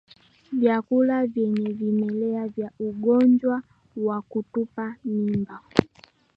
Vyakula vyenye vimelea vya ugonjwa wa kutupa mimba